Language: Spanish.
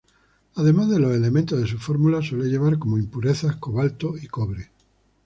Además de los elementos de su fórmula, suele llevar como impurezas: cobalto y cobre.